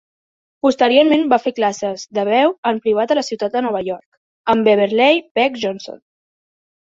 Posteriorment va fer classes de veu en privat a la ciutat de Nova York, amb Beverley Peck Johnson.